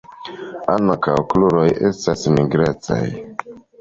Ankaŭ kruroj estas nigrecaj.